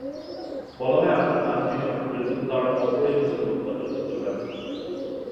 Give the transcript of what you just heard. বলা হয়, আপনার বাণিজ্যিক সাফল্যের মূল কারণ অপরিমেয় যৌনতার যথেচ্ছ ব্যবহার।